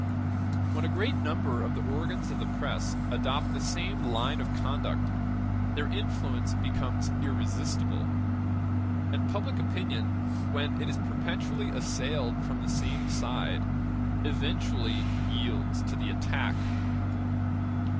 When a great number of the organs of the press adopt the same line of conduct, their influence becomes irresistible; and public opinion, when it is perpetually assailed from the same side, eventually yields to the attack.